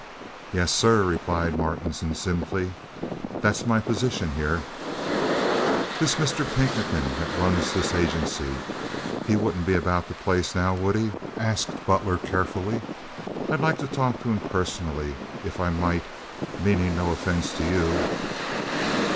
"Yes, sir," replied Martinson, simply. "That's my position here." "This Mr. Pinkerton that runs this agency—he wouldn't be about this place, now, would he?" asked Butler, carefully. "I'd like to talk to him personally, if I might, meaning no offense to you."